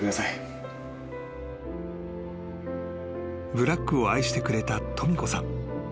［ブラックを愛してくれたとみ子さん］